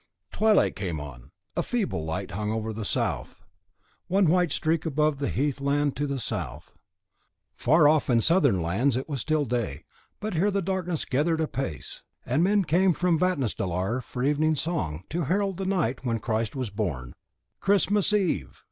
Twilight came on: a feeble light hung over the south, one white streak above the heath land to the south. Far off in southern lands it was still day, but here the darkness gathered in apace, and men came from Vatnsdalr for evensong, to herald in the night when Christ was born. Christmas Eve!